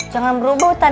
jangan berebutan ya